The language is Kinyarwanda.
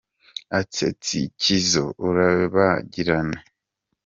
atsa tsikizo urabagirane.